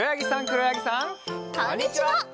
こんにちは！